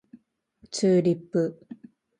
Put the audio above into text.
チューリップ